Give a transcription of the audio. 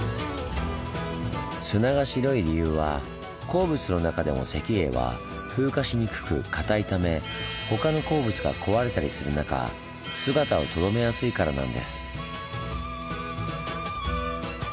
砂が白い理由は鉱物の中でも石英は風化しにくく硬いため他の鉱物が壊れたりする中姿をとどめやすいからなんです。